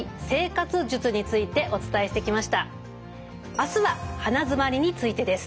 あすは鼻づまりについてです。